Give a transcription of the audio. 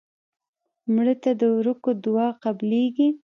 مړه ته د ورکو دعا قبلیږي